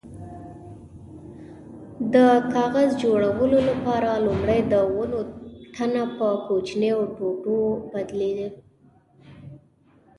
د کاغذ جوړولو لپاره لومړی د ونو تنه په کوچنیو ټوټو تبدیلوي.